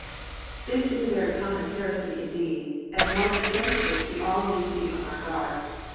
This is a very common heresy indeed, and one against which we all need to be on our guard.